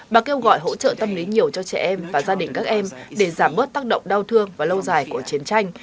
bà kêu gọi hỗ trợ tâm lý nhiều cho trẻ em và gia đình các em để giảm bớt tác động đau thương và lâu dài của chiến tranh